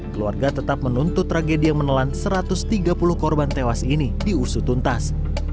keluarga tetap menuntut tragedi yang menelan satu ratus tiga puluh korban tewas ini diusut tuntas